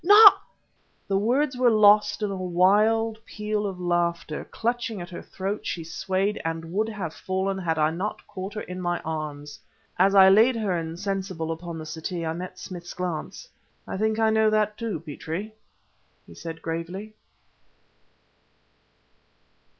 not ..." The words were lost in a wild peal of laughter. Clutching at her throat she swayed and would have fallen had I not caught her in my arms. As I laid her insensible upon the settee I met Smith's glance. "I think I know that, too, Petrie," he said gravely.